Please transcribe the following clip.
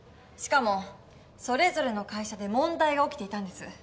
しかもそれぞれの会社で問題が起きていたんです。